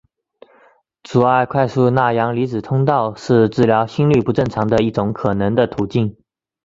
阻碍快速钠阳离子通道是治疗心律不正常的一种可能的途径。